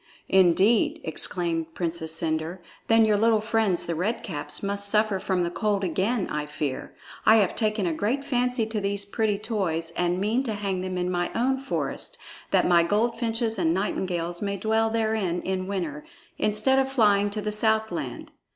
"Indeed!" exclaimed the Princess Cendre. "Then your little friends, the Red Caps, must suffer from the cold again, I fear. I have taken a great fancy to these pretty toys and mean to hang them in my own forests, that my goldfinches and nightingales may dwell therein in winter, instead of flying to the southland."